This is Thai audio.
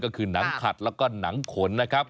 ก็คือหนังขัดแล้วก็หนังขนนะครับ